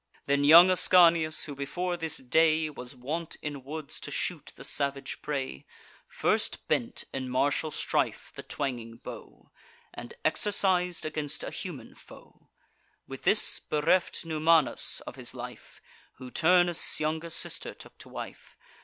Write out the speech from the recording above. Then young Ascanius, who, before this day, Was wont in woods to shoot the savage prey, First bent in martial strife the twanging bow, And exercis'd against a human foe— With this bereft Numanus of his life, Who Turnus' younger sister took to wife.